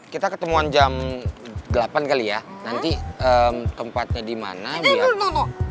kita ketemuan jam delapan kali ya nanti tempatnya di mana biar